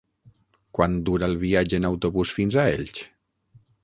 Quant dura el viatge en autobús fins a Elx?